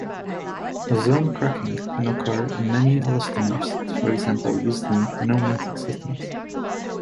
Ozone cracking can occur in many elastomers for example used in pneumatic systems.